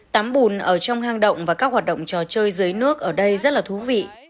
tắm bùn ở trong hang động và các hoạt động trò chơi dưới nước ở đây rất là thú vị